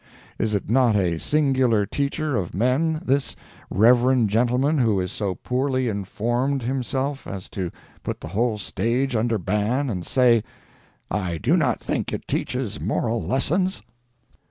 Is it not a singular teacher of men, this reverend gentleman who is so poorly informed himself as to put the whole stage under ban, and say, "I do not think it teaches moral lessons"?